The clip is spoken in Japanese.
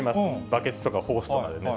バケツとかホースとかでね。